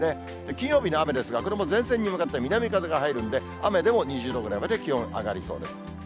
金曜日の雨ですが、これも前線に向かって南風が入るんで、２０度くらいまで気温、上がりそうです。